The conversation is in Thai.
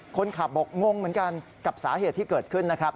คนขับบอกงงเหมือนกันกับสาเหตุที่เกิดขึ้นนะครับ